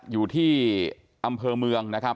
อยู่ที่อำเภอเมืองนะครับ